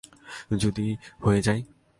যদি হয়ে যাই?